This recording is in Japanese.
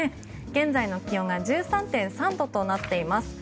現在の気温が１３．３度となっています。